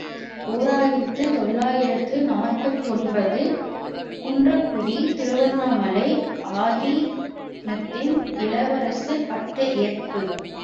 ஓர் ஆயிரத்து தொள்ளாயிரத்து நாற்பத்தொன்பது ● குன்றக்குடித் திருவண்ணாமலை ஆதீனத்தின் இளவரசு பட்டம் ஏற்பு.